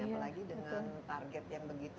apalagi dengan target yang begitu